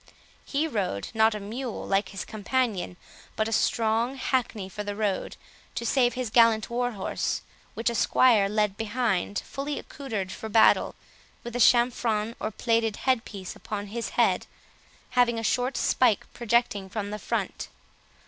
He rode, not a mule, like his companion, but a strong hackney for the road, to save his gallant war horse, which a squire led behind, fully accoutred for battle, with a chamfron or plaited head piece upon his head, having a short spike projecting from the front.